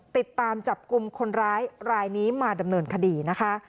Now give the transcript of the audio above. ติดตามจับกลุ่มคนร้ายรายนี้มาดำเนินคดีนะคะ